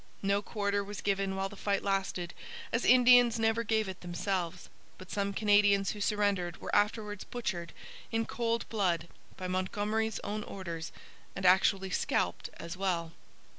No quarter was given while the fight lasted, as Indians never gave it themselves. But some Canadians who surrendered were afterwards butchered in cold blood, by Montgomery's own orders, and actually scalped as well.